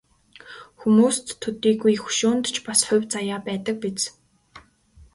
Хүмүүст төдийгүй хөшөөнд ч бас хувь заяа байдаг биз.